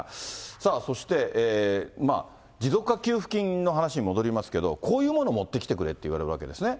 さあそして、まあ、持続化給付金の話に戻りますけど、こういうものを持ってきてくれって言われるわけですね。